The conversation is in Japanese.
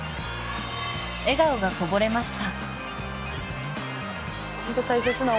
笑顔がこぼれました。